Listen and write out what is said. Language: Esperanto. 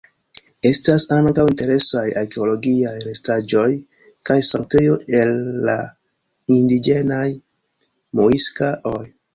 Estas ankaŭ interesaj arkeologiaj restaĵoj kaj sanktejo el la indiĝenaj mŭiska-oj.